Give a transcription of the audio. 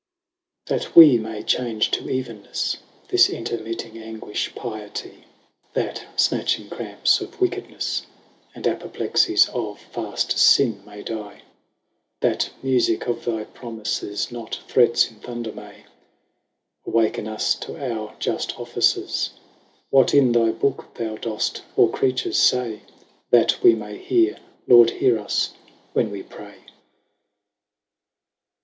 That wee may change to evennefle This intermitting aguifh Pietie; That matching cramps of wicked ne fie 210 And Apoplexies of faft fin, may die; That mufique of thy promifes, Not threats in Thunder may Awaken us to our juft offices; What in thy booke, thou doft, or creatures fay, 215 That we may heare, Lord heare us, when wee pray.